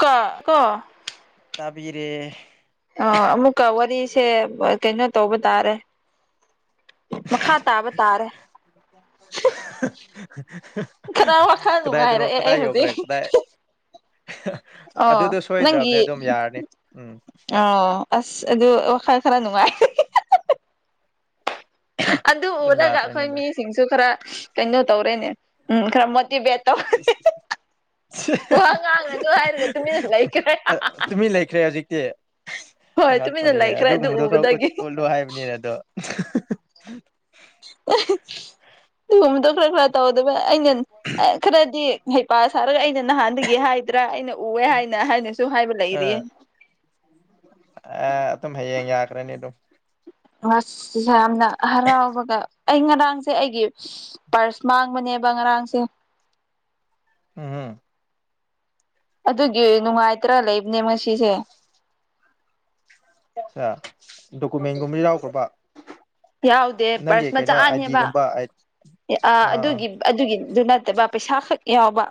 ꯀꯣ ꯀꯣ ꯇꯥꯕꯤꯔꯦ ꯑ ꯑꯃꯨꯛꯀ ꯋꯥꯔꯤꯁꯦ ꯀꯩꯅꯣ ꯇꯧꯕ ꯇꯥꯔꯦ ꯃꯈꯥ ꯇꯥꯕ ꯇꯥꯔꯦ ꯈꯔ ꯋꯥꯈꯜ [unintelligible] ꯀꯗꯥꯏꯗꯅꯣ ꯅꯨꯡꯉꯥꯏꯔꯛꯑꯦ ꯑꯩ ꯀꯗꯥꯏ ꯌꯧꯒ꯭ꯔꯦ ꯍꯧꯖꯤꯛ ꯀꯗꯥꯏ ꯑꯣ ꯑꯗꯨꯗꯣ ꯁꯣꯏꯗ꯭ꯔꯝꯅꯦ ꯅꯪꯒꯤ ꯑꯗꯨꯝ ꯌꯥꯔꯅꯤ ꯎꯝ ꯑꯣ ꯑꯁ ꯑꯗꯨ ꯋꯥꯈꯜ ꯈꯔ ꯅꯨꯉꯥꯏ ꯑꯗꯨ ꯑꯗꯨꯝ ꯎꯔꯒ ꯌꯥꯈ꯭ꯔꯅꯤ ꯑꯈꯣꯏ ꯑꯗꯣ ꯃꯤꯁꯤꯡꯁꯨ ꯈꯔ ꯀꯩꯅꯣ ꯇꯧꯔꯦꯅꯦ ꯎꯝ ꯈꯔ ꯃꯣꯇꯤꯚꯦꯠ ꯇꯧ [unintelligible] ꯋꯥ ꯉꯥꯡꯅꯅꯨ ꯍꯥꯏꯔꯒ ꯇꯨꯃꯤꯟꯅ ꯂꯩꯈ꯭ꯔꯦ ꯇꯨꯃꯤꯟ ꯂꯩꯈ꯭ꯔꯦ ꯍꯧꯖꯤꯛꯇꯤ ꯍꯣꯏ ꯇꯨꯃꯤꯟꯅ ꯑꯉꯛꯄꯅꯤꯍ‌ꯦ ꯂꯩꯈ꯭ꯔꯦ ꯑꯗꯨ ꯑꯗꯨꯒꯨꯝꯕꯗꯣ ꯈꯔ ꯎꯠ ꯎꯕꯗꯒꯤ ꯎꯠꯂꯣ ꯍꯥꯏꯕꯅꯤ ꯑꯗꯣ ꯗꯨꯒꯨꯝꯕꯗꯣ ꯈꯔ ꯈꯔ ꯇꯧꯗꯕ ꯑꯩ ꯅꯨꯟ ꯑꯥ ꯈꯔꯗꯤ ꯍꯩꯄꯥ ꯁꯥꯔꯒ ꯑꯩꯅ ꯅꯍꯥꯟꯗꯒꯤ ꯍꯥꯏꯗ꯭ꯔꯥ ꯑꯩꯅ ꯎꯋ‌ꯦ ꯍꯥꯏꯅ ꯍꯥꯏꯅꯁꯨ ꯍꯥꯏꯕ ꯂꯩꯔꯤꯌꯦ ꯑ ꯑꯗꯨꯝ ꯍꯌꯦꯡ ꯌꯥꯈ꯭ꯔꯅꯤ ꯑꯗꯨꯝ ꯑꯁ ꯌꯥꯝꯅ ꯍꯔꯥꯎꯕꯒ ꯑꯩ ꯉꯔꯥꯡꯁꯦ ꯑꯩꯒꯤ ꯄꯥꯔꯁ ꯃꯥꯡꯕꯅꯦꯕ ꯉꯔꯥꯡꯁꯦ ꯎꯝ ꯍꯨꯝ ꯑꯗꯨꯒꯤ ꯅꯨꯉꯥꯏꯇ꯭ꯔꯥ ꯂꯩꯕꯅꯦ ꯉꯁꯤꯁꯦ ꯁꯥ ꯗꯣꯀꯨꯃꯦꯟꯒꯨꯝꯕ ꯌꯥꯎꯈ꯭ꯔꯕ ꯌꯥꯎꯗꯦ ꯄꯔꯁ ꯅꯪꯒꯤ ꯀꯩꯅꯣ ꯃꯆꯥꯅꯦꯕ ꯑꯥ ꯑꯥꯏꯗꯤꯒꯨꯝꯕ ꯑꯥꯏꯇ ꯑ ꯑꯗꯨꯒꯤ ꯑꯗꯨꯒꯤꯗꯨ ꯅꯠꯇꯕ ꯄꯩꯁꯥ ꯈꯛ ꯌꯥꯎꯕ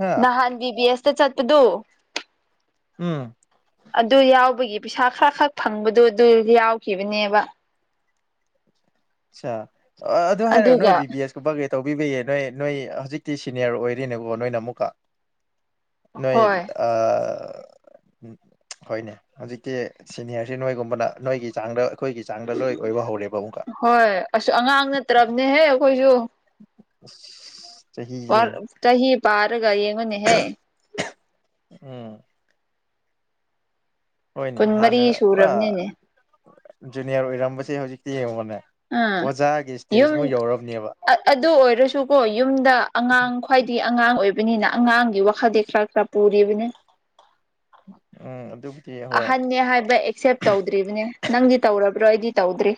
ꯍꯥ ꯅꯍꯥꯟꯒꯤ ꯕꯤ ꯑꯦꯁꯇ ꯆꯠꯄꯗꯨ ꯎꯝ ꯑꯗꯨ ꯌꯥꯎꯕꯒꯤ ꯄꯩꯁꯥ ꯈꯔ ꯈꯛ ꯐꯪꯕꯗꯣ ꯑꯗꯨ ꯌꯥꯎꯈꯤꯕꯅꯦꯕ꯫ ꯑꯆꯥ ꯑꯗꯨ ꯍꯥꯏꯔꯛ ꯑꯗꯨꯒ ꯅꯣꯏ ꯕꯤ ꯕꯤ ꯑꯦꯁ ꯊꯕꯛ ꯀꯩꯀꯩ ꯇꯧꯕꯤꯕꯩ ꯅꯣꯏ ꯅꯣꯏ ꯍꯧꯖꯤꯛꯇꯤ ꯁꯤꯅꯤꯌꯔ ꯑꯣꯏꯔꯤꯅꯦꯀꯣ ꯅꯣꯏꯅ ꯑꯃꯨꯛꯀ꯫ ꯅꯣꯏ ꯍꯣꯏ ꯑ ꯍꯣꯏꯅꯦ ꯍꯧꯖꯤꯛꯇꯤ ꯁꯤꯅꯤꯌꯔꯁꯦ ꯅꯣꯏꯒꯨꯝꯕꯅ ꯅꯣꯏꯒꯤ ꯆꯥꯡꯗ ꯑꯩꯈꯣꯏꯒꯤ ꯆꯥꯡꯗ ꯂꯣꯏ ꯑꯣꯏꯕ ꯍꯧꯔꯦꯕ ꯑꯃꯨꯛꯀ꯫ ꯍꯣꯏ ꯑꯁ ꯑꯉꯥꯡ ꯅꯠꯇ꯭ꯔꯕꯅꯦꯍꯦ ꯑꯩꯈꯣꯏꯁꯨ꯫ ꯑꯁ ꯑꯣ ꯆꯍꯤ ꯄꯥꯔꯒ ꯌꯦꯡꯉꯣꯟꯅꯦ ꯍꯦ꯫ [unintelligible] ꯎꯝ ꯍꯣꯏꯅꯦ ꯀꯨꯟꯃꯔꯤ ꯍꯥꯟꯅ ꯄꯨꯔꯥ ꯁꯨꯔꯕꯅꯤꯅꯦ ꯖꯨꯅꯤꯌꯔ ꯑꯣꯏꯔꯝꯕꯁꯦ ꯍꯧꯖꯤꯛꯇꯤ ꯌꯦꯡꯉꯨꯕꯅꯦ ꯑꯥ ꯑꯣꯖꯥꯒꯤ ꯏꯁꯇꯦꯖ ꯃꯨꯛ ꯌꯨꯝ ꯌꯧꯔꯕꯅꯦꯕ꯫ ꯑꯗꯨ ꯑꯣꯏꯔꯁꯨꯀꯣ ꯌꯨꯝꯗ ꯑꯉꯥꯡ ꯈ꯭ꯋꯥꯏꯗꯒꯤ ꯑꯉꯥꯡ ꯑꯣꯏꯕꯅꯤꯅ ꯑꯉꯥꯡꯒꯤ ꯋꯥꯈꯜꯗꯤ ꯈꯔ ꯈꯔ ꯄꯨꯔꯤꯕꯅꯤ ꯎꯝ ꯑꯗꯨ ꯑꯍꯟꯅꯦ ꯍꯥꯏꯕ ꯑꯦꯛꯁꯦꯞ ꯇꯧꯗ꯭ꯔꯤꯕꯅꯦ ꯅꯪꯗꯤ ꯇꯧꯔꯕ꯭ꯔꯣ ꯑꯩꯗꯤ ꯇꯧꯗ꯭ꯔꯤ꯫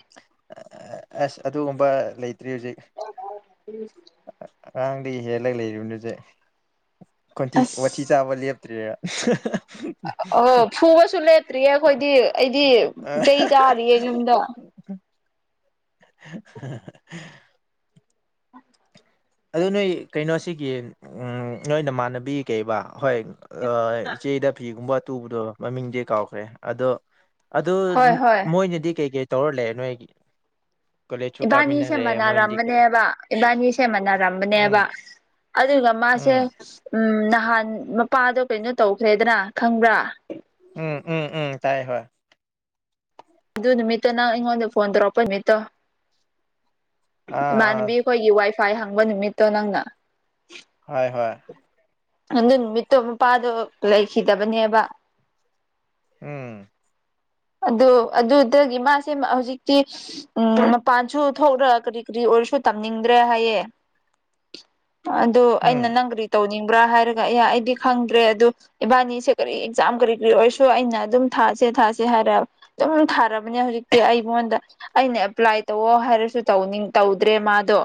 ꯑꯁ ꯑꯗꯨꯒꯨꯝꯕ ꯂꯩꯇ꯭ꯔꯤ ꯍꯧꯖꯤꯛ ꯎꯝ ꯑꯉꯥꯡꯗꯒꯤ ꯍꯦꯜꯂꯒ ꯂꯩꯔꯤꯕꯅꯦ ꯍꯧꯖꯤꯛ ꯈꯣꯟꯊꯤ ꯋꯥꯊꯤ ꯑꯁ ꯆꯥꯕ ꯂꯦꯞꯇꯔꯤꯔ꯫ ꯑꯣ ꯐꯨꯕꯁꯨ ꯂꯦꯞꯇ꯭ꯔꯤꯌꯦ ꯑꯩꯈꯣꯏꯗꯤ ꯑꯩꯗꯤ ꯆꯩ ꯆꯥꯔꯤꯌꯦ ꯌꯨꯝꯗ꯫ [unintelligible] [unintelligible] ꯑꯗꯨ ꯅꯣꯏ ꯀꯩꯅꯣꯁꯤꯒꯤ ꯅꯣꯏ ꯅꯃꯥꯟꯅꯕꯤ ꯀꯩꯕꯥ ꯍꯣꯏ ꯏꯆꯦꯗ ꯐꯤꯒꯨꯝꯕ ꯇꯨꯕꯗꯣ ꯃꯃꯤꯡꯗꯤ ꯀꯥꯎꯈ꯭ꯔꯦ ꯑꯗꯣ ꯑꯗꯨ ꯍꯣꯏ ꯍꯣꯏ ꯃꯣꯏꯅꯗꯤ ꯀꯩꯀꯩ ꯇꯧꯔ ꯂꯩ ꯅꯣꯏꯒꯤ ꯀꯣꯂꯦꯖꯁꯨ ꯏꯕꯥꯅꯤꯁꯦ ꯀꯥꯃꯤꯟꯅꯔꯦ ꯃꯣꯏꯅꯗꯤ ꯀꯩ ꯃꯥꯟꯅꯥꯔꯝꯕꯅꯦꯕ꯫ ꯏꯕꯥꯟꯅꯤ ꯁꯦ ꯃꯥꯟꯅꯔꯝꯕꯅꯦꯕ ꯎꯝ ꯑꯗꯨꯒ ꯃꯥꯁꯦ ꯎꯝ ꯎꯝ ꯅꯍꯥꯟ ꯃꯄꯥꯗꯣ ꯀꯩꯅꯣ ꯇꯧꯈ꯭ꯔꯦꯗꯅ ꯈꯪꯕ꯭ꯔꯥ ꯎꯝ ꯎꯝ ꯎꯝ ꯇꯥꯏ ꯍꯣꯏ ꯑꯗꯨ ꯅꯨꯃꯤꯠꯇꯣ ꯅꯪ ꯑꯩꯉꯣꯟꯗ ꯐꯣꯟ ꯇꯧꯔꯛꯄ ꯅꯨꯃꯤꯠꯇꯣ ꯑꯥ ꯏꯃꯥꯟꯅꯕꯤ ꯑꯥ ꯑꯩꯈꯣꯏꯒꯤ ꯋꯥꯏ ꯐꯥꯏ ꯍꯪꯕ ꯅꯨꯃꯤꯠꯇꯣ ꯅꯪꯅ ꯍꯣꯏ ꯍꯣꯏ ꯑꯗꯨ ꯅꯨꯃꯤꯠꯇꯣ ꯃꯄꯥꯗꯣ ꯂꯩꯈꯤꯗꯕꯅꯦꯕ꯫ ꯎꯝ ꯑꯗꯨ ꯑꯗꯨꯗꯒꯤ ꯃꯥꯁꯦ ꯍꯧꯖꯤꯛꯇꯤ ꯎꯝ ꯃꯄꯥꯟꯁꯨ ꯊꯣꯛꯂ ꯀꯔꯤ ꯀꯔꯤ ꯑꯣꯏꯔꯁꯨ ꯇꯝꯅꯤꯡꯗ꯭ꯔꯦ ꯍꯥꯏꯌꯦ꯫ ꯑꯗꯨ ꯑꯩꯅ ꯎꯝ ꯅꯪ ꯀꯔꯤ ꯇꯧꯅꯤꯡꯕ꯭ꯔꯥ ꯍꯥꯏꯔꯒ ꯑꯌꯥ ꯑꯩꯗꯤ ꯈꯪꯗ꯭ꯔꯦ ꯑꯗꯨ ꯏꯕꯥꯟꯅꯤꯁꯦ ꯀꯔꯤ ꯑꯦꯛꯖꯥꯝ ꯀꯔꯤ ꯀꯔꯤ ꯑꯣꯏꯔꯁꯨ ꯑꯩꯅ ꯑꯗꯨꯝ ꯊꯥꯁꯦ ꯊꯥꯁꯦ ꯍꯥꯏꯔ ꯑꯗꯨꯝ ꯊꯥꯔꯕꯅꯦ ꯍꯧꯖꯤꯛꯇꯤ ꯑꯩꯉꯣꯟꯗ ꯑꯩꯅ ꯑꯦꯄ꯭ꯂꯥꯏ ꯇꯧꯑꯣ ꯍꯥꯏꯔꯁꯨ ꯇꯧꯅꯤꯡ ꯇꯧꯗ꯭ꯔꯦ ꯃꯥꯗꯣ꯫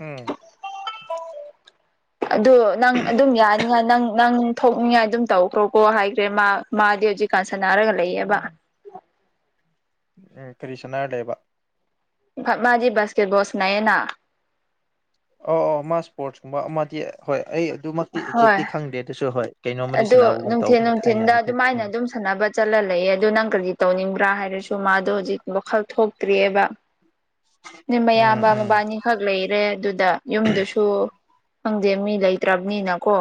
ꯎꯝ ꯑꯗꯣ ꯅꯪ ꯑꯗꯨꯝ ꯌꯥꯅꯤꯉꯥꯏ ꯅꯪ ꯅꯪ ꯊꯣꯛꯅꯤꯡꯉꯥꯏ ꯑꯗꯨꯝ ꯇꯧꯈ꯭ꯔꯣꯀꯣ ꯍꯥꯏꯈ꯭ꯔꯦ ꯃꯥ ꯃꯥꯗꯤ ꯍꯧꯖꯤꯛꯀꯥꯟ ꯁꯥꯟꯅꯔꯒ ꯂꯩꯌꯦꯕ ꯀꯔꯤ ꯁꯥꯟꯅꯔ ꯂꯩꯕ ꯐꯥꯏꯞ ꯃꯥꯗꯤ ꯕꯥꯁꯀꯦꯠ ꯕꯣꯜ ꯁꯥꯅꯩꯌꯦꯅ ꯑꯣ ꯑꯣ ꯃꯥ ꯁ꯭ꯄꯣꯔꯠꯁꯀꯨꯝꯕ ꯑꯃꯥꯗꯤ ꯍꯣꯏ ꯑꯩ ꯑꯗꯨꯃꯛꯇꯤ ꯍꯣꯏ ꯑꯦꯛꯖꯦꯛꯇꯤ ꯈꯪꯗꯦ ꯑꯗꯨꯁꯨ ꯍꯣꯏ ꯀꯩꯅꯣꯝꯃꯗꯤ ꯑꯗꯨ ꯁꯥꯟꯅꯥꯕꯒꯨꯝ ꯅꯨꯡꯊꯤꯟ ꯇꯧꯕꯅꯤ ꯊꯥꯏꯅ ꯅꯨꯡꯊꯤꯟꯗ ꯍꯥꯏꯐꯦꯠ ꯑꯗꯨꯃꯥꯏꯅ ꯎꯝ ꯑꯗꯨꯝ ꯁꯥꯟꯅꯕ ꯆꯠꯂ ꯂꯩꯌꯦ ꯑꯗꯨ ꯅꯪ ꯀꯔꯤ ꯇꯧꯅꯤꯡꯕ꯭ꯔꯥ ꯍꯥꯏꯔꯁꯨ ꯃꯥꯗꯣ ꯍꯧꯖꯤꯛ ꯋꯥꯈꯜ ꯊꯣꯛꯇ꯭ꯔꯤꯌꯦꯕ ꯅꯦ ꯃꯌꯥꯝꯕ ꯎꯝ ꯃꯕꯥꯟꯅꯤ ꯈꯛ ꯂꯩꯔꯦ ꯑꯗꯨꯗ ꯌꯨꯝꯗꯨꯁꯨ ꯈꯪꯗꯦ ꯃꯤ ꯂꯩꯇ꯭ꯔꯕꯅꯤꯅꯀꯣ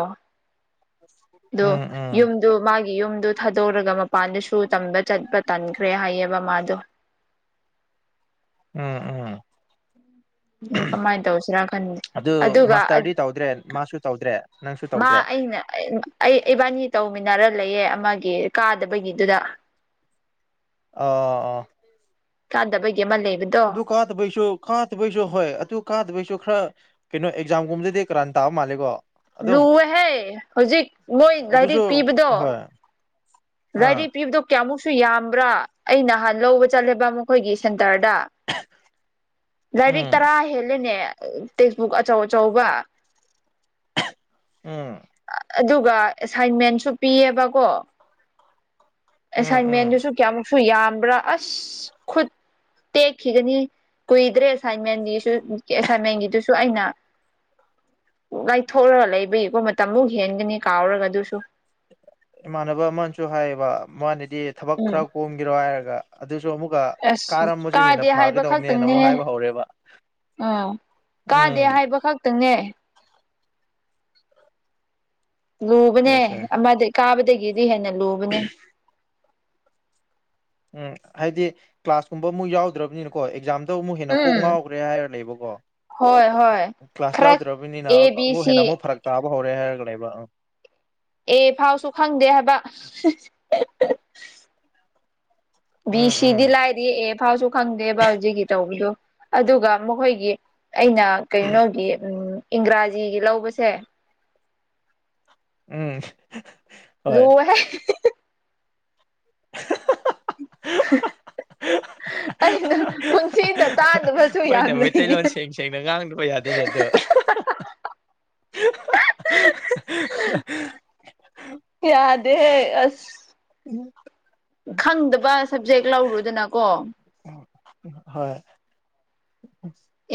[inaudible] ꯗꯣ ꯌꯨꯝ ꯎꯝ ꯑꯗꯨ ꯃꯥꯒꯤ ꯌꯨꯝꯗꯨ ꯊꯥꯗꯣꯛꯔꯒ ꯃꯄꯥꯟꯗꯁꯨ ꯇꯝꯕ ꯆꯠꯄ ꯇꯟꯈ꯭ꯔꯦ ꯍꯥꯏꯌꯦꯕ ꯃꯥꯗꯣ ꯎꯝ ꯎꯝ ꯗꯨ ꯀꯃꯥꯏꯟ ꯇꯧꯁꯤꯔ ꯈꯟ ꯑꯗꯨ ꯑꯗꯨꯒ ꯑꯠ ꯃꯥꯁꯇꯔꯗꯤ ꯇꯧꯗ꯭ꯔꯦ ꯃꯥꯁꯨ ꯇꯧꯗ꯭ꯔꯦ ꯅꯪꯁꯨ ꯃꯥ ꯇꯧꯗ꯭ꯔꯦ ꯑꯩꯅ ꯑꯩ ꯑꯩ ꯏꯕꯥꯅꯤ ꯇꯧꯃꯤꯟꯅꯔ ꯂꯩꯌꯦ ꯑꯃꯥꯒꯤ ꯀꯥꯗꯕꯒꯤꯗꯨꯗ ꯑꯥ ꯑꯥ ꯆꯥꯗꯕꯒꯤ ꯑꯃ ꯂꯩꯕꯗꯣ ꯇꯨ ꯀꯥꯗꯕꯩꯁꯨ ꯀꯥꯗꯕꯩꯁꯨ ꯍꯣꯏ ꯑꯗꯨ ꯀꯥꯗꯗ ꯩꯁꯨ ꯈ꯭ꯔ ꯀꯩꯅꯣ ꯑꯦꯛꯖꯥꯝꯒꯨꯝꯕꯗꯗꯤ ꯀꯔꯥꯟ ꯇꯥꯕ ꯃꯥꯜꯂꯦꯒꯣ ꯂꯨꯋꯦꯍꯦ ꯍꯧꯖꯤꯛ ꯃꯣꯏ ꯑꯗꯨꯁꯨ ꯂꯥꯏꯔꯤꯛ ꯄꯤꯕꯗꯣ ꯍꯣꯏ ꯂꯥꯏꯔꯤꯛ ꯑꯥ ꯄꯤꯕꯗꯨ ꯀꯌꯥꯃꯨꯛꯁꯨ ꯌꯥꯝꯕ꯭ꯔꯥ ꯑꯩ ꯅꯍꯥꯟ ꯂꯧꯕ ꯆꯠꯂꯦꯕ ꯃꯈꯣꯏꯒꯤ ꯁꯦꯟꯇꯔꯗ ꯂꯥꯏꯔꯤꯛ ꯎꯝ ꯇꯔꯥ ꯍꯦꯜꯂꯦꯅꯦ ꯇꯦꯛꯁꯕꯨꯛ ꯑꯆꯧ-ꯑꯆꯧꯕ ꯎꯝ ꯑꯗꯨꯒ ꯑꯦꯁꯥꯏꯟꯃꯦꯟꯁꯨ ꯄꯤꯌꯦꯕꯀꯣ ꯎꯝ ꯎꯝ ꯑꯦꯁꯥꯏꯟꯃꯦꯟꯗꯨꯁꯨ ꯀꯌꯥꯃꯨꯛꯁꯨ ꯌꯥꯝꯕ꯭ꯔꯥ ꯑꯁ ꯈꯨꯠ ꯇꯦꯛꯈꯤꯒꯅꯤ ꯀꯨꯏꯗ꯭ꯔꯦ ꯑꯦꯁꯥꯏꯟꯃꯦꯟꯒꯤꯁꯨ ꯎꯝ ꯑꯦꯁꯥꯏꯟꯃꯦꯟꯒꯤꯗꯨꯁꯨ ꯑꯩꯅ ꯂꯥꯏꯊꯣꯛꯂ ꯂꯩꯕꯩꯀꯣ ꯃꯇꯝꯃꯨꯛ ꯍꯦꯟꯒꯅꯤ ꯀꯥꯎꯔꯒ ꯑꯗꯨꯁꯨ ꯏꯃꯥꯟꯅꯕ ꯑꯃꯟꯆꯨ ꯍꯥꯏꯌꯦꯕ ꯃꯥꯅꯗꯤ ꯊꯕꯛ ꯈ꯭ꯔ ꯎꯝ ꯀꯣꯝꯒꯤꯔꯣ ꯍꯥꯏꯔꯒ ꯑꯗꯨꯁꯨ ꯑꯃꯨꯛꯀ ꯑꯦꯁ ꯀꯥꯔꯝꯕꯁꯨ ꯍꯦꯟꯅ ꯀꯥꯗꯦ ꯍꯥꯏꯕ ꯐꯥꯒꯗꯧꯕꯅꯦꯅ ꯑꯃꯨꯛ ꯈꯛꯇꯪꯅꯦꯍꯦ ꯍꯥꯏꯕ ꯍꯧꯔꯦꯕ ꯑꯥꯎ ꯀꯥꯗꯦ ꯎꯝ ꯍꯥꯏꯕ ꯈꯛꯇꯪꯅꯦ ꯂꯨꯕꯅꯦ ꯌꯦꯁ ꯌꯦꯁ ꯑꯃꯥꯗꯩ ꯀꯥꯕꯗꯒꯤꯗꯤ ꯍꯦꯟꯅ ꯂꯨꯕꯅꯦ ꯎꯝ ꯍꯥꯏꯗꯤ ꯀ꯭ꯂꯥꯁꯀꯨꯝꯕ ꯑꯃꯨꯛ ꯌꯥꯎꯗ꯭ꯔꯕꯅꯤꯅ ꯀꯣ ꯑꯦꯛꯖꯥꯝꯗꯣ ꯑꯃꯨꯛ ꯍꯦꯟꯅ ꯀꯣꯛ ꯎꯝ ꯉꯥꯎꯈ꯭ꯔꯦ ꯍꯥꯏꯔ ꯂꯩꯕꯀꯣ ꯍꯣꯏ ꯍꯣꯏ ꯀ꯭ꯂꯥꯁ ꯈꯔ ꯌꯥꯎꯗ꯭ꯔꯕꯅꯤꯅ ꯑꯦ ꯕꯤ ꯑꯃꯨꯛ ꯁꯤ ꯍꯦꯟꯅ ꯑꯃꯨꯛ ꯐꯔꯛ ꯇꯥꯕ ꯍꯧꯔꯦ ꯍꯥꯏꯔꯒ ꯂꯩꯕ ꯑ ꯑꯦ ꯐꯥꯎꯁꯨ ꯈꯪꯗꯦ ꯍꯥꯏꯕ ꯕꯤ ꯎꯝ ꯎꯝ ꯁꯤꯗꯤ ꯂꯥꯏꯔꯤ ꯑꯦ ꯐꯥꯎꯁꯨ ꯈꯪꯗꯦꯕ ꯍꯧꯖꯤꯛꯀꯤ ꯇꯧꯕꯗꯣ ꯑꯗꯨꯒ ꯃꯈꯣꯏꯒꯤ ꯑꯩꯅ ꯀꯩꯅꯣꯒꯤ ꯎꯝ ꯏꯪꯒ꯭ꯔꯥꯖꯤꯒꯤ ꯂꯧꯕꯁꯦ ꯎꯝ ꯍꯣꯏ ꯂꯨꯋꯦꯍꯦ [unintelligible] ꯑꯩꯅ ꯄꯨꯟꯁꯤꯗ ꯇꯥꯗꯕꯁꯨ ꯌꯥꯝ ꯃꯣꯏꯅ ꯂꯩꯌꯦ ꯃꯩꯇꯩꯂꯣꯟ ꯁꯦꯡ ꯁꯦꯡꯅ ꯉꯥꯡꯗꯕ ꯌꯥꯗꯦꯅꯦ ꯑꯗꯣ ꯌꯥꯗꯦ ꯑꯁ [inaudible] ꯈꯪꯗꯕ ꯁꯕꯖꯦꯛ ꯂꯧꯔꯨꯗꯅꯀꯣ ꯍꯣꯏ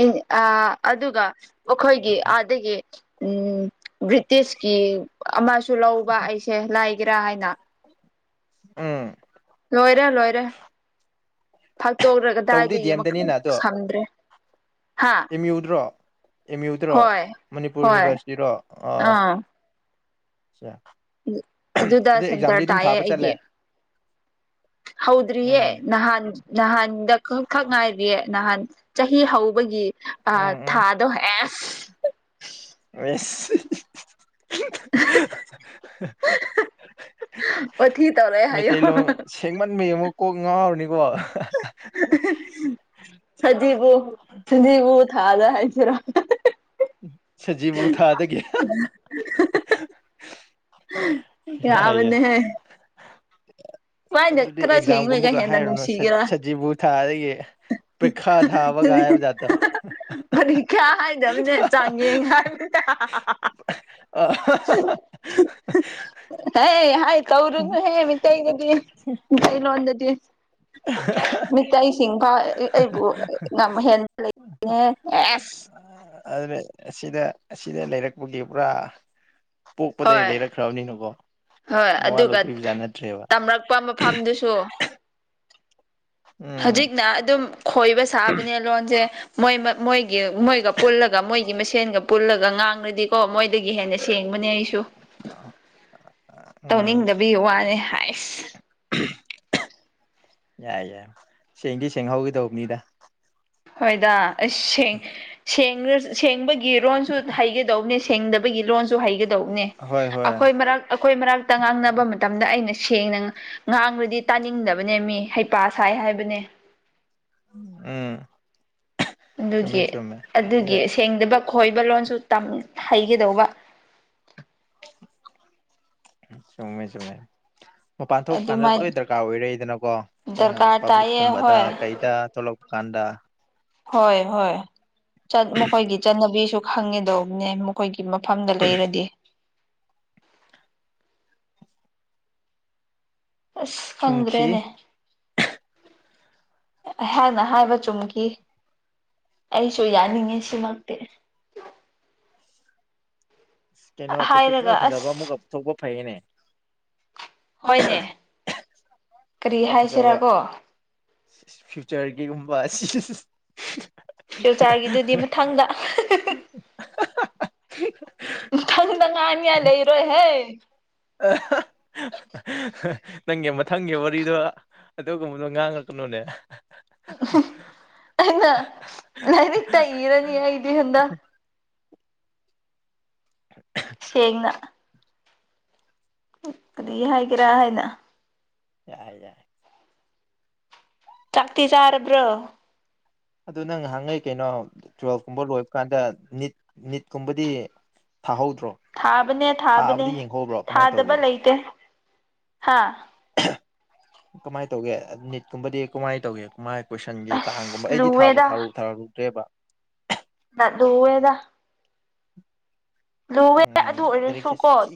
ꯑꯦ ꯑꯥ ꯑꯗꯨꯒ ꯑꯈꯣꯏꯒꯤ ꯑꯥꯗꯒꯤ ꯎꯝ ꯕ꯭ꯔꯤꯇꯤꯁꯀꯤ ꯑꯃꯁꯨ ꯂꯧꯕ ꯑꯩꯁꯦ ꯂꯥꯏꯒꯦꯔꯥ ꯍꯥꯏꯅ ꯎꯝ ꯂꯣꯏꯔꯦ ꯂꯣꯏꯔꯦ ꯐꯥꯛꯇꯣꯛꯔꯒ ꯇꯧꯕꯗꯤ ꯗꯤ ꯒꯗꯥꯏꯗꯒꯤ ꯃꯈꯨ ꯑꯦꯝꯗꯅꯤꯅ ꯁꯝꯗ꯭ꯔꯦ ꯍꯥ ꯑꯦꯝꯌꯨꯗ꯭ꯔꯣ ꯑꯦꯃ꯭ꯌꯨꯗꯔꯣ ꯍꯣꯏ ꯃꯅꯤꯄꯨꯔ ꯍꯣꯏ ꯌꯨꯅꯤꯚꯔꯁꯤꯇꯤꯔꯣ ꯑꯥ ꯑꯗꯨꯗ ꯑꯗꯨ ꯑꯦꯛꯖꯥꯝꯗꯤ ꯁꯦꯟꯇꯔ ꯑꯗꯨꯝ ꯇꯥꯏꯌꯦ ꯊꯥꯕ ꯆꯠꯂꯦ ꯍꯥꯎꯗ꯭ꯔꯤꯌꯦ ꯎꯝ ꯅꯍꯥꯟ ꯅꯍꯥꯟꯗ ꯈ ꯈꯛ ꯉꯥꯏꯔꯤꯌꯦ ꯅꯍꯥꯟ ꯆꯍꯤ ꯍꯧꯕꯒꯤ ꯎꯝ ꯎꯝ ꯊꯥ ꯗꯣ ꯍꯦꯁ ꯋꯥꯊꯤ ꯇꯧꯔꯦ [unintelligible] ꯍꯥꯏꯌꯣ ꯃꯩꯇꯩꯂꯣꯟ ꯁꯦꯡꯃꯟꯕꯩ ꯑꯃꯨꯛ ꯀꯣꯛ ꯉꯥꯎꯔꯅꯤꯀꯣ ꯁꯖꯤꯕꯨ ꯁꯖꯤꯕꯨ ꯊꯥꯖ ꯍꯥꯏꯕꯁꯤꯔ ꯁꯖꯤꯕꯨ ꯊꯥꯗꯒꯤ [unintelligible] ꯌꯥꯏ ꯌꯥꯏ ꯌꯥꯕꯅꯦꯍꯦ ꯁꯨꯃꯥꯏꯅ ꯑꯗꯨꯗꯤ ꯈꯔ ꯁꯦꯡꯂꯒ ꯑꯦꯛꯖꯥꯝꯒꯨꯝꯕꯒ ꯍꯦꯟꯅ ꯍꯥꯏꯔꯨꯅꯨ ꯅꯨꯡꯁꯤꯒꯦꯔꯥ ꯁꯖꯤꯕꯨ ꯊꯥꯗꯒꯤ ꯄꯩꯈꯥ ꯊꯥꯕꯒ ꯍꯥꯏꯕ ꯖꯥꯠꯇꯣ ꯈ꯭ꯌꯥ ꯍꯥꯏꯗꯕꯅꯦ ꯆꯥꯡꯌꯦꯡ ꯍꯥꯏꯕꯅꯦ ꯑ ꯍꯦ ꯍꯥꯏ [inaudible] ꯃꯤꯇꯩꯂꯣꯟ ꯗꯗꯤ [unintelligible] ꯃꯤꯇꯩꯁꯤꯡ ꯐꯥꯎ ꯑꯩꯕꯨ [unintelligible] ꯑꯗꯨꯅꯦ ꯑꯁꯤꯗ ꯑꯁꯤꯗ ꯂꯩꯔꯛꯄꯒꯤ ꯄꯨꯔꯥ ꯄꯣꯛꯄꯗꯩ ꯍꯣꯏ ꯂꯩꯔꯛꯈ꯭ꯔꯕꯅꯤꯅꯀꯣ ꯃꯋꯥ ꯂꯧꯕꯤꯕꯖꯥꯠ ꯅꯠꯇ꯭ꯔꯦꯕ [unintelligible] ꯐꯝꯗꯨꯁꯨ ꯎꯝ ꯍꯖꯤꯛꯅ ꯑꯗꯨꯝ ꯈꯣꯏꯕ ꯁꯥꯕꯅꯦ ꯂꯣꯟꯖꯦ ꯃꯣꯏ ꯃꯣꯏꯒꯤ ꯃꯣꯏꯒ ꯄꯨꯜꯂꯒ ꯃꯣꯏꯒꯤ ꯃꯁꯦꯟꯒ ꯄꯨꯜꯂꯒ ꯉꯥꯡꯔꯗꯤ ꯀꯣ ꯃꯣꯏꯗꯒꯤ ꯍꯦꯟꯅ ꯁꯦꯡꯕꯅꯦ ꯑꯩꯁꯨ ꯎꯝ ꯇꯧꯅꯤꯡꯗꯕꯤ ꯋꯥꯅꯦ ꯍꯥꯏꯁ ꯌꯥꯏ ꯌꯥꯏ ꯁꯦꯡꯗꯤ ꯁꯦꯡꯍꯧꯒꯗꯧꯕꯅꯤꯗ ꯍꯣꯏꯗ ꯑꯁ ꯁꯦꯡ ꯁꯦꯡꯔ ꯁꯦꯡꯕꯒꯤ ꯔꯣꯟꯁꯨ ꯍꯩꯒꯗꯧꯕꯅꯦ ꯁꯦꯡꯗꯕꯒꯤ ꯂꯣꯟꯁꯨ ꯍꯩꯒꯗꯧꯅꯦ ꯍꯣꯏ ꯍꯣꯏ ꯑꯈꯣꯏ ꯃꯔꯛ ꯑꯈꯣꯏ ꯃꯔꯛꯇ ꯉꯥꯡꯅꯕ ꯃꯇꯝꯗ ꯑꯩꯅ ꯁꯦꯡꯅ ꯉꯥꯡꯔꯗꯤ ꯇꯥꯅꯤꯡꯗꯕꯅꯦ ꯃꯤ ꯍꯩꯄꯥ ꯁꯥꯏ ꯍꯥꯏꯕꯅꯦ ꯎꯝ ꯆꯨꯝꯃꯦ ꯑꯗꯨꯒꯤ ꯆꯨꯝꯃꯦ ꯑꯗ ꯑꯗꯨꯒꯤ ꯁꯦꯡꯗꯕ ꯈꯣꯏꯕ ꯂꯣꯟꯁꯨ ꯇꯝ ꯍꯩꯒꯗꯧꯕ ꯆꯨꯝꯃꯦ ꯆꯨꯝꯃꯦ ꯃꯄꯥꯟ ꯊꯣꯛꯄ ꯀꯥꯟꯗ ꯑꯗꯨꯃꯥꯏꯅ ꯂꯣꯏ ꯗꯔꯀꯥꯔ ꯑꯣꯏꯔꯩꯗꯅꯀꯣ ꯑꯩꯈꯣꯏꯅ ꯗꯔꯀꯥꯔ ꯇꯥꯏꯌꯦ ꯄꯥꯕ꯭ꯂꯤꯛꯀꯨꯝꯕꯗ ꯍꯣꯏ ꯀꯩꯗ ꯊꯣꯛꯂꯛ ꯀꯥꯟꯗ ꯍꯣꯏ ꯍꯣꯏ ꯆꯠ ꯃꯈꯣꯏꯒꯤ ꯆꯠꯅꯕꯤꯁꯨ ꯈꯪꯉꯦꯗꯧꯕꯅꯦ ꯃꯈꯣꯏꯒꯤ ꯃꯐꯝꯗ ꯂꯩꯔꯗꯤ ꯑꯁ ꯁꯨꯝꯈꯤ ꯈꯪꯗ꯭ꯔꯦꯅꯦ ꯑꯩꯍꯥꯛꯅ ꯍꯥꯏꯕ ꯆꯨꯝꯈꯤ ꯑꯩꯁꯨ ꯌꯥꯅꯤꯡꯉꯤ ꯁꯤꯃꯛꯇꯤ ꯀꯩꯅꯣ ꯇꯣꯄꯤꯛ ꯈꯔ ꯍꯥꯏꯔꯒ ꯐꯖꯕ ꯑꯁ ꯑꯃꯨꯛꯀ ꯄꯨꯊꯣꯛꯄ ꯐꯩꯌꯦꯅꯦ ꯍꫭꯏꯅꯦ ꯈꯔ ꯐꯖꯕ ꯐ꯭ꯌꯨꯆꯔꯒꯤꯒꯨꯝꯕ ꯐ꯭ꯌꯨꯆꯥꯥꯔꯒꯤꯗꯨꯗꯤ ꯃꯊꯪꯗ [inaudible] ꯃꯊꯪꯗ ꯉꯅꯤꯡꯉꯥꯏ ꯂꯩꯔꯣꯏ ꯍꯦ [inaudible] ꯅꯪꯒꯤ ꯃꯊꯪꯒꯤ ꯋꯥꯔꯤꯗꯣ ꯑꯗꯨꯒꯨꯝꯕꯗꯣ ꯉꯥꯡꯉꯛꯀꯅꯨꯅꯦ ꯑꯩꯅ ꯂꯥꯏꯔꯤꯛꯇ ꯏꯔꯅꯤ ꯑꯩꯗꯤ ꯍꯟꯗꯛ ꯁꯦꯡꯅ ꯑꯩ ꯀꯔꯤ ꯍꯥꯏꯒꯦꯔꯥ ꯍꯥꯏꯅ ꯌꯥꯏ ꯌꯥꯏ ꯆꯥꯛꯇꯤ ꯆꯥꯔꯕ꯭ꯔꯣ ꯑꯗꯨ ꯅꯪ ꯉꯍꯥꯟꯒꯩ ꯀꯩꯅꯣ ꯇꯨꯋꯦꯜꯞꯀꯨꯝꯕ ꯂꯣꯏꯕ ꯀꯥꯟꯗ ꯅꯤꯠ ꯅꯤꯠꯀꯨꯝꯕꯗꯤ ꯊꯥꯍꯧꯗ꯭ꯔꯣ ꯊꯥꯕꯅꯦ ꯊꯥꯕꯅꯦ ꯊꯥꯕꯗꯤ ꯌꯦꯡꯍꯧꯕ꯭ꯔꯣ ꯀꯃꯥꯏꯅ ꯊꯥꯗꯕ ꯇꯧꯒꯦ ꯂꯩꯇꯦ ꯍꯥ ꯀꯃꯥꯏ ꯇꯧꯒꯦ ꯅꯤꯠꯀꯨꯝꯕꯗꯤ ꯀꯃꯥꯏꯅ ꯇꯧꯒꯦ ꯀꯃꯥꯏ ꯀꯣꯏꯁꯟꯒꯤ ꯆꯥꯡꯒꯨꯝꯕ ꯑꯁ ꯑꯩꯗꯤ ꯊꯥꯕꯨ ꯂꯨꯋꯦꯗ ꯊꯥꯔꯨ ꯊꯥꯔꯨꯗ꯭ꯔꯦꯕ ꯅꯥꯠ ꯂꯨꯌꯦꯗ ꯂꯨꯋꯦ ꯑꯗꯨ ꯎꯝ ꯑꯣꯏꯔꯁꯨ ꯂꯥꯏꯔꯤꯛꯁꯦ ꯀꯣ ꯊꯤ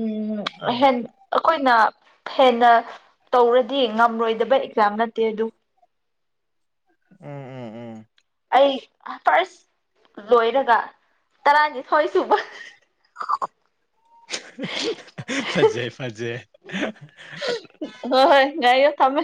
ꯎꯝ ꯎꯝ ꯍꯦꯟ ꯑꯩꯈꯣꯏꯅ ꯍꯦꯟꯅ ꯇꯧꯔꯗꯤ ꯉꯝꯔꯣꯏꯗꯕ ꯑꯦꯛꯖꯥꯝ ꯅꯠꯇꯦ ꯑꯗꯨ ꯎꯝ ꯎꯝ ꯎꯝ ꯑꯩ ꯐꯥꯔꯁ ꯂꯣꯏꯔꯒ ꯇꯔꯥꯅꯤꯊꯣꯏ ꯁꯨꯕ ꯐꯖꯩ ꯐꯖꯩ ꯍꯣꯏ ꯍꯣꯏ ꯉꯥꯏꯌꯨ ꯊꯝꯃꯦ